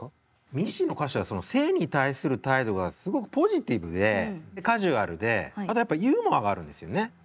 ミッシーの歌詞はその性に対する態度がすごくポジティブでカジュアルであとやっぱユーモアがあるんですよね。